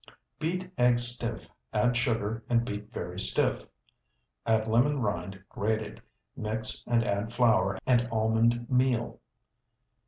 Beat eggs stiff, add sugar, and beat very stiff; add lemon rind grated; mix and add flour and almond meal.